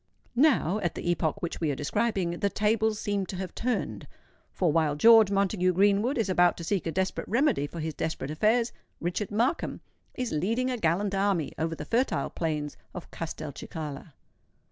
Now—at the epoch which we are describing—the tables seem to have turned; for while George Montague Greenwood is about to seek a desperate remedy for his desperate affairs, Richard Markham is leading a gallant army over the fertile plains of Castelcicala.